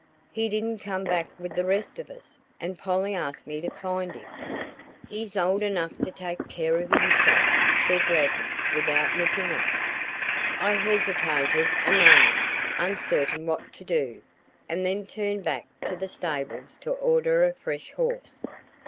"He didn't come back with the rest of us, and Polly asked me to find him." "He's old enough to take care of himself," said Radnor without looking up. I hesitated a moment, uncertain what to do, and then turned back to the stables to order a fresh horse.